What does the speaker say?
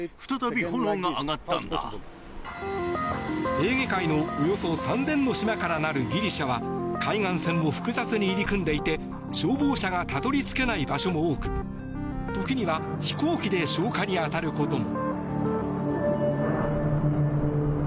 エーゲ海のおよそ３０００の島から成るギリシャは海岸線も複雑に入り組んでいて消防車がたどり着けない場所も多く時には飛行機で消火に当たることも。